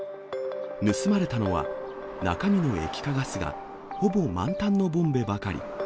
盗まれたのは、中身の液化ガスがほぼ満タンのボンベばかり。